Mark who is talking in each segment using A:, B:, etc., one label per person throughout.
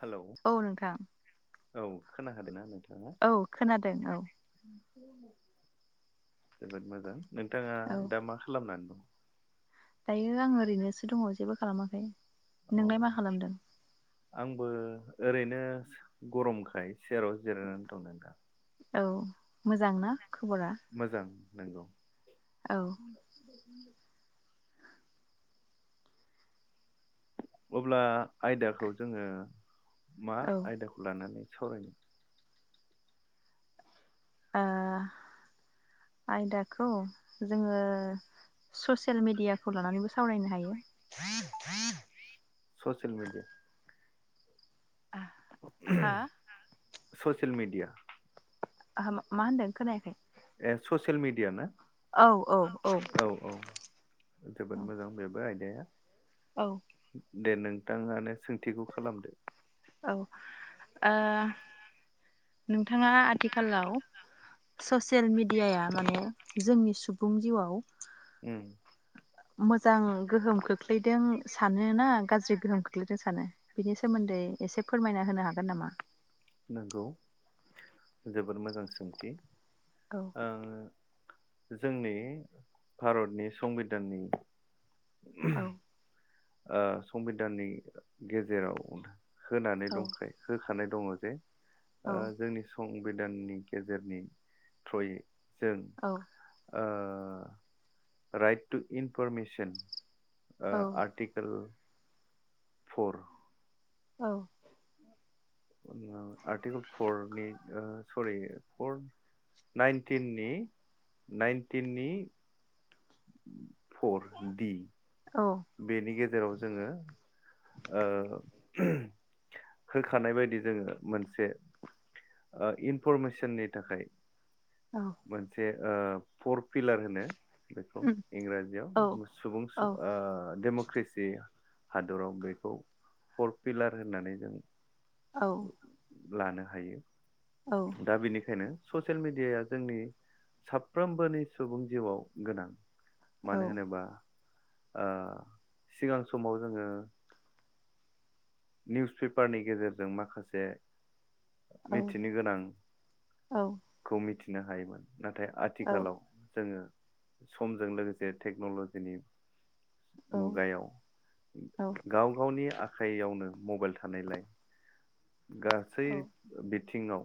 A: Hello
B: औ नोंथां
A: औ खोनाखादों ना नोंथां
B: औ खोनादों औ
A: जोबोद मोजां नोंथाङा
B: औ
A: दा मा खालामनानै दं
B: दायो आं ओरैनोसो दङ जेबो खालामाखै
A: अ
B: नोंलाय मा खालामदों?
A: आंबो ओरैनो गरमखाय सेराव जिरायनानै दं नोंथां
B: औ मोजां ना खबरा
A: मोजां नंगौ
B: औ
A: [inaudible] अब्ला आयदाखौ जोङो मा
B: औ ओ
A: आयदाखौ लानानै सावरायनो
B: ओ आयदाखौ जोङो ससियेल मेडियाखौ लानानैबो सावरायनो हायो।
A: ससियेल मिडिया
B: हा
A: ससियेल मिडिया
B: मा होन्दों खोनायाखै।
A: ए ससियेल मिडिया ना?
B: औ औ
A: औ औ जोबोद मोजां बेबो आ गेया।
B: औ।
A: दे नोंथाङानो सोंथिखौ खालामदो।
B: औ ओ नोंथाङा आथिख खालाव ससियेल मेडियाया माने जोंनि सुबुं जिउआव
A: उम।
B: मोजां गोहोम खोख्लैदों सानो ना गाज्रि गोहोम खोख्लैदों सानो बिनि सोमोन्दै एसे फोरमायना होनो हागोन नामा?
A: नोंगौ जोबोद मोजां सोंथि।
B: औ
A: आङो जोंनि भारतनि संबिधाननि
B: औ।
A: ओ संबिधाननि गेजेराव होनानै
B: औ
A: दंखायो हो खानाय दङ जे
B: औ
A: ओ जोंनि सं गोदाननि गेजेरनि थ्रयै जों
B: औ
A: ओ राइट टु इनफरमेसन ओ
B: औ
A: आर्टिकोल फर‌।
B: औ।
A: [unintelligible] आर्टिकोल फरनि ओ सरि फर नाइनटिननि नाइनटिननि फर, दि।
B: औ
A: बेनि गेजेराव जोङो ओ [unintelligible] होखानाय बायदि जोङो मोनसे इनफरमेसननि थाखाय।
B: औ
A: मोनसे ओ फर फुइलार होनो। बेखौ
B: औ
A: इंराजियाव सुबुं स ओ डेम'क्रेसि हादराव बेखौ फर पिलार होननानै जों
B: औ।
A: लानो हायो।
B: औ
A: दा बेनिखायनो ससियेल मेडियाया जोंनि साफ्रोमबोनि सुबुं जिउआव गोनां मानो होनोबा आ सिगां समाव जोङो निउस पेपारनि गेजेरजों माखासे मिथिनो
B: औ औ
A: गोनांखौ मिथि खिनो हायोमोन नाथाय आथिखालाव जोङो समजों लोगोसे टेक्न'ल'जिनि मुगायाव गाव गावनि आखाइयावनो मबाइल थानायलाय गासै बि बिथिङाव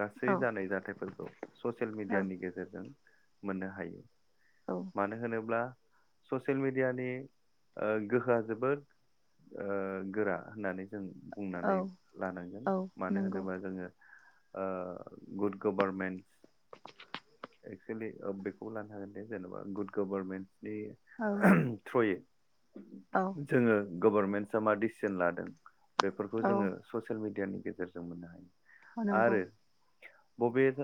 A: गासै जानाय जाथायफोरखौ ससियेल
B: औ
A: मेडियानि गेजेरजों मोननो हायो
B: औ
A: मानो होनोब्ला ससियेल मिडियानि ओ गोहोआ जोबोद ओ गोरा होननानै जों बुंनानै
B: औ
A: लानांगोन
B: औ
A: मानो
B: नंगौ
A: होनोबा जोङो ओ गुद गभर्मेन्त एक्सुेलि बेखौ लानो हागोन दे जेनेबा गुड गभारमेन्स बे
B: औ
A: थ्रयो
B: औ
A: जोङो गभर्नमेन्टसा मा जोन लादों बेफोरखौ
B: औ
A: जोङो ससियेल मिडिया मिडियानि गेजेरजों मोननो हायो।
B: ह नंगौ
A: आरो बबे ओ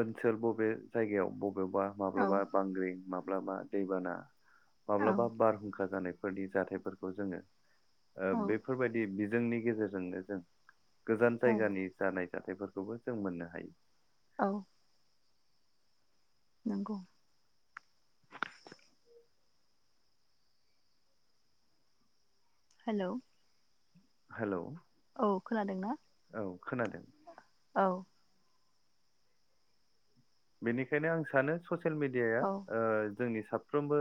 A: ओनसोल बबे जायगायाव बबे बबेबा
B: औ
A: माब्लाबा बांग्रिं माब माब्ला मा दैबाना
B: औ
A: माब्लाबा बारहुंखा जानाय फोरनि जाथायफोरखौ जोङो ओ
B: औ
A: बेफोरबायदि। जोंनि गेजेरजोंनो जों गोजान
B: औ
A: जायगानि जानाय जाथायफोरखौबो जों मोननो हायो।
B: औ। नांगौ। हेलौ।
A: हेलौ।
B: औ खोनादों ना।
A: औ खोनादों
B: औ।
A: बेनिखायनो आं सानो ससे। ससेल मिडिया
B: औ
A: ओ। जोंनि साफ्रोमबो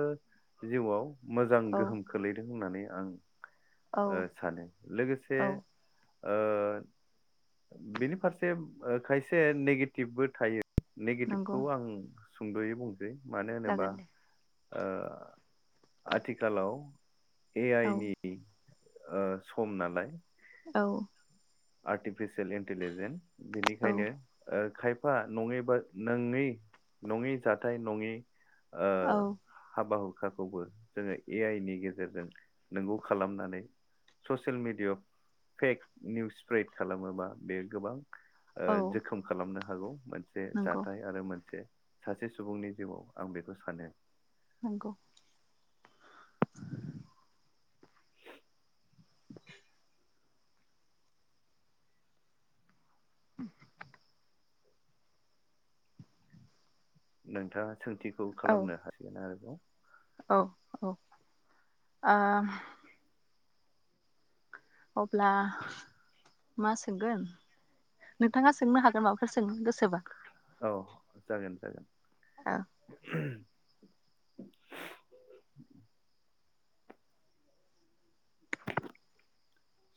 A: जिउआव। मोजां
B: औ
A: गोहोम खोलैदों होननानै। आं।
B: औ
A: ओ सानो लोगोसे।
B: औ
A: ओ बिनि फारसे ओ खायसे नेगेटिभबो थायो।
B: नंगौ
A: नेगेटिभखौ आं सुंद'यै बुं गै मानो होनोबा
B: जागोन दे
A: ओ आथिखालाव ए
B: औ
A: आइनि ओ सम नालाय
B: औ।
A: आर्टिफिसियेल इन्टलिजेन्स
B: औ
A: बेनिखायनो ओ। खायफा नङैबा नङै नङै जाथाय नङै। ओ
B: औ
A: हाबा। खौबो जोङो ए आइ नि गेजेरजों नंगौ खालामनानै social media fake news spread खालामोबा बे गोबां ओ
B: औ
A: जोखोम खालामनो हागौ मोनसे
B: नंगौ
A: जाथाय आरो मोनसे सासे सुबुंनि जिउआव आं बेखौ सानो
B: नंगौ। [unintelligible] [unintelligible]
A: नोंथाङा सोंथिखौ
B: औ
A: खालामनो हासिगोन आरो। [unintelligible]
B: औ औ आ अब्ला मा सोंगोन नोंथाङा सोंनो हागोन माब
A: औ जागोन जागोन।
B: औ
A: [unintelligible]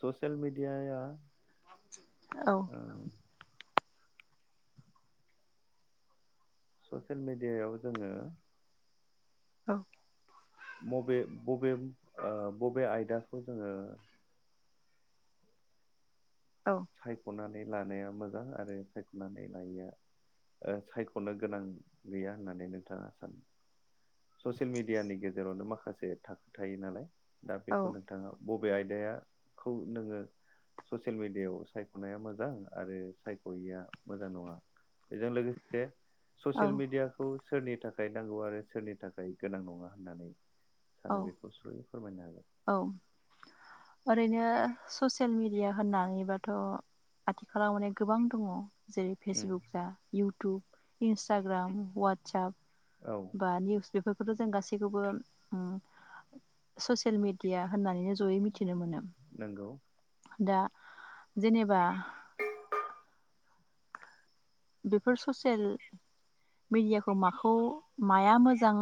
A: स'सियेल मिडियाया
B: औ
A: ओ स'सियेल मिडियायाव जोङो
B: औ
A: मबे बबे ओ बबे आयदाखौ जोङो
B: औ
A: सायख'ना नै लानाया मोजां आरो सायख'नानै लायैआ ओ सायख'नो गोनां गैया होननानै नोंथाङा सानो। ससियेल मेडियानि गेजेरावनो माखासे थाखो थायो नालाय दा
B: औ
A: बेखौ नोंथाङा बबे आयदाया खौ नोङो स'सियेल मिडियायाव सायख'नाया मोजां आरो सायख'यैया मोजां नङा बेजों लोगोसे
B: औ
A: स'सियेल मिडियाखौ सोरनि थाखाय नांगौ आरो सोरनि थाखाय गोनां नङा होननानै
B: औ
A: सानो बेखौ सुंद'यै फोरमायनो हागोन
B: औ ओरैनो स'सेल सियेल मिडिया होननानैबाथ' आथिखालाव माने गोबां दङ। जेरै
A: उम
B: फेसबुक जा इउ थुब, इन्सटाग्राम,
A: औ
B: वाटसाप बा निउस बेफोरखौथ' जों गासैखौबो ओ स'सियेल मिडिया होननानैनो जयै मिथिनो मोनो।
A: नंगौ
B: दा जेनेबा बेफोर स'सियेल मिडियाखौ माखौ माया मोजां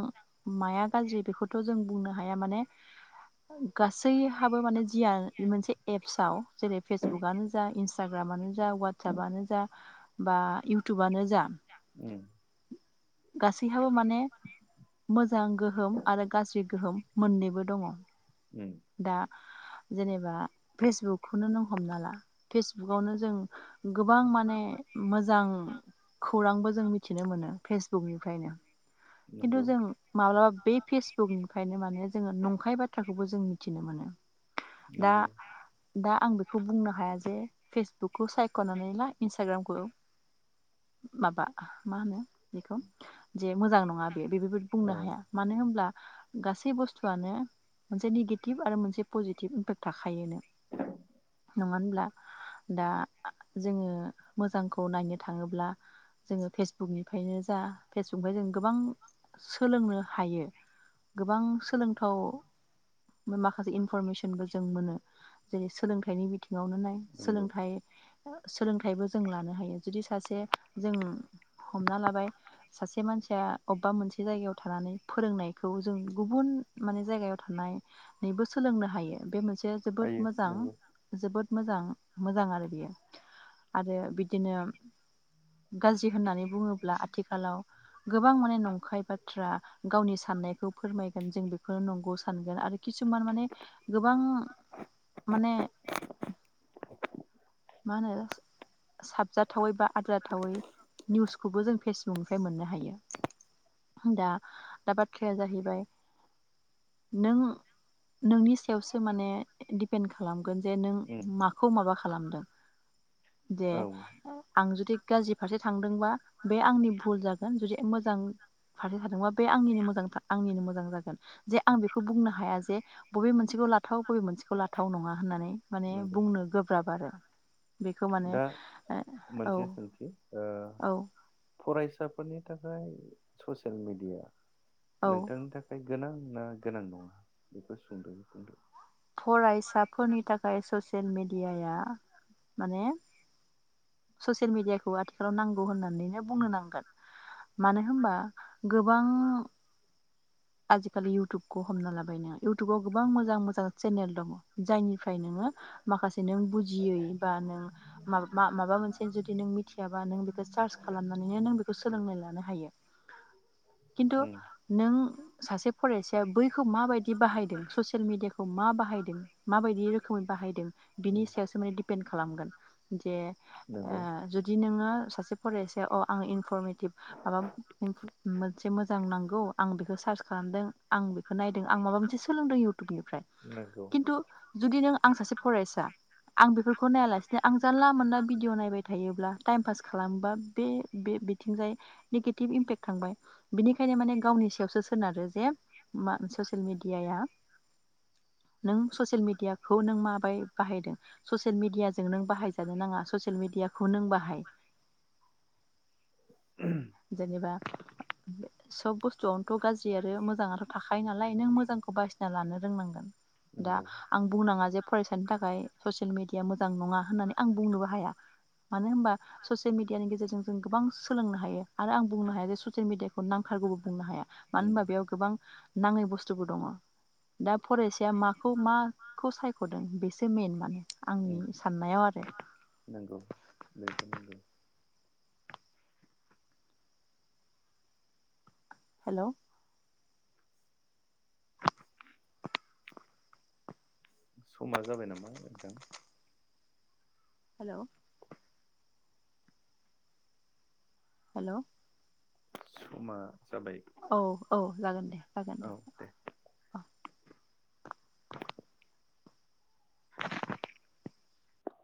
B: माया गाज्रि बेखौथ' जों बुंनो हाया। माने गासैहाबो माने जिया मोनसे एपसाव जेरै फेसबुकआनो जा इन्सटाग्रामानो जा वाट्सपनो जा बा इउटुबानो जा
A: उम
B: गासैहाबो माने मोजां गोहोम आरो गाज्रि गोहोम मोननैबो दङ।
A: उम
B: दा जेनेबा फेसबुकखौनो नों हमना ला फेसबुकावनो जों गोबां माने मोजां खौरांबो जों मिथिनो मोनो फेसबुकनिफायनो खिन्थु
A: नंगौ
B: जों माब्लाबा बे फेसबुकनिफायनो माने जोङो नंखाय बाथ्रा खौबो जों मिथिनो मोनो। दा
A: नंगौ
B: दा आं बेखौ बुंनो हाया जे फेसबुकखौ सायख'नानै ला इन्सटाग्रामखौ माबा मा होनो बेखौ जे मोजां नङ बेबो बुंनो
A: औ
B: हाया मानो होनब्ला गासै बुस्थुआनो मोनसे निगेटिभ आरो मोनसे पजिटिभ इम्पेक्ट थाखायोनो। नङा होनब्ला दा जोङो मोजांखौ नायनो थाङोब्ला जोङो फेसबुकनिफ्रायनो जा फेसबुकनिफ्राय जों गोबां सोलोंनो हायो गोबां सोलोंथाव माखासे इनफरमेसनबो जों मोनो जेरै सोलोंथाइनि बिथिं नआवनो नाय
A: नंगौ
B: सोलोंथाइ सोलोंथाइबो जों लानो हायो जुदि सासे जों हमना लाबाय सासे मानसिया अबेबा मोनसे जायगायाव थानानै फोरोंनायखौ जों गुबुन माने जायगायाव थानानैबो सोलोंनो हायो बे मोनसे बेयो जोबोद
A: हायो
B: मोजां
A: नंगौ
B: जोबोद मोजां मोजां आरो बियो आरो बिदिनो गाज्रि होननानै बुङोब्ला आथिखालाव गो गोबां माने नंखाय बाथ्रा गावनि साननायखौ फोरमायगोन जों बेखौनो नंगौ सा सानगोन आरो किसुमान माने गोबां माने मा होनो साबजाथावैबा आद्रा थावै निउसखौबो जों फेसबुक न'निफ्राय मोननो हायो दा‌ दा बाथ्राया जाहैबाय नों नोंनि सायाव सो माने दिपेन्ड खालामगोन जे नों
A: उम
B: माखौ माबा खालामदों जे
A: औ
B: आं आं जुदि गाज्रि फारसे थांदोंबा बे आंनि भुल जागोन जुदि मोजां फारसे थादोंबा बे आंनिनो मोजां आंनिनो मोजां जागोन जे आं बेखौ बुंनो हाया जे बबे मोनसेखौ लाथाव बबे मोनसेखौ लाथाव नङा होननानै माने
A: नंगौ
B: बुंनो गोब्राब आरो बेखौ माने
A: दा
B: औ
A: मोनसे सोंथि ओ
B: औ
A: फरायसाफोरनि थाखाय ससियेल मिडिया
B: औ
A: नोंथांनि थाखाय गोनां ना गोनां नङा बेखौ सुंदयै बुंदो
B: गेयाया माने ससियेल मिडियाखौ आथिखालाव नांगौ होननानैनो बुंनो नांगोन मानो होनबा गोबां आजिखालि इटुबखौ हमना लाबाय नों इउटुबाव गोबां मोजां मोजां चेनेल दङ जायनिफ्राय नोङो माखासे नों बुजियै बा नों मा माबा मोनसे जुदि नों मिथियाबा नों बेखौ सार्च खालामनानैनो नों बेखौ सोलोंनानै लानो हायो खिन्थु
A: उम
B: नों सासे फरायसाया बै बेखौ मााबायदि बाहायदों ससियेल मिडियाखौ मा बाहायदों माबायदि रोखोमै बाहायदों बिनि
A: उम
B: सायावसो माने दिपेन्ड खालामगोन जे ओ
A: नंगौ
B: जुदि नोङो सासे फरायसा औ आं इनफरमेटिभ माबा मोनसे मोजां नांगौ आं बेखौ सार्च खालामदों आं बेखौ नायदों आं माबा मोनसे सोलोंदों इउ थुबनिफ्राय
A: नंगौ
B: खिन्थु जुदि नों आं सासे फरायसा आं बेफोरखौ नायालासिनो आं जानला मोनला भिडिअ नायबाय थायोब्ला टाइम पास खालामोबा बे बे बिथिंजाय निगेटिभ इम्पेक्ट थांबाय बिनिखायनो माने गावनि सायाव सो सोनारो जे मा ससियेल मिडिया नों ससियेल मिडियाखौ नों माबै बाहायदों सयेल मिडियाजों नों बाहायजानो नाङा ससियेल मिडियाखौ नों बाहाय। जेनेबा सब बुस्थुआवनोथ' गाज्रि आरो मोजाङाथ' थाखायो नालाय नों मोजांखौ बासिना लानो रोंनांगोन। दा
A: नंगौ
B: आं बुंनाङा जे फरायसानि थाखाय ससियेल मेडिया मोजां नङा होननानै आं बुंनोबो हाया मानो होनबा ससियेल मिडियानि गेजेरजों जों गोबां सोलोंनो हायो। आरो आं बुंनो हाया जे ससियेल मिडियाखौ नांथारगौबो बुंनो हाया मानो
A: उम
B: होनबा बेयाव गोबां नाङै बुस्थुफोर दङ। दा फरायसाया माखौ माखौ सायख'दों बेसो मेन माने
A: उम
B: आंनि साननायाव आरो।
A: नंगौ बेबो नंगौ
B: हेल'
A: समा जाबाय नामा नोंथां?
B: हेल' हेल'
A: समा जाबाय
B: औ औ जागोन दे जागोन दे। [inaudible]